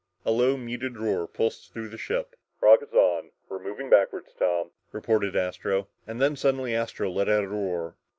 A low muted roar pulsed through the ship. "Rockets on we're moving backward, Tom," reported Astro. And then suddenly Astro let out a roar.